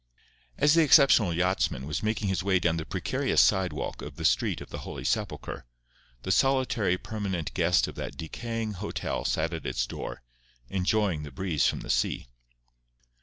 _ As the exceptional yachtsman was making his way down the precarious sidewalk of the Street of the Holy Sepulchre, the solitary permanent guest of that decaying hotel sat at its door, enjoying the breeze from the sea.